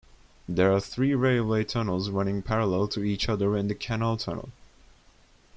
There are three railway tunnels running parallel to each other and the canal tunnel.